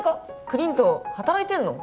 クリント働いてんの？